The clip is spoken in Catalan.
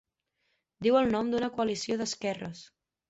Diu el nom d'una coalició d'esquerres.